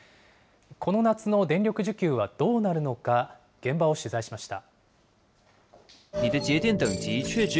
この夏の電力需給はどうなるのか、現場を取材しました。